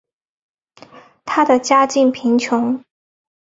她的家境贫穷。